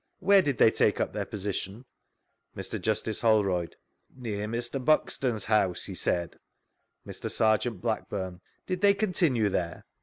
Where did they take up their position? — Mr. Justice Holrovd ;" Near Mr. Buxton's house," he said. Mr. Serjeant Blackburnb: Did they continue there?